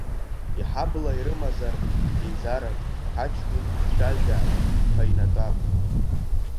Иҳабла ирымазар еизарак, ҳаҷкәын дцәажәааит ҳәа инатәап!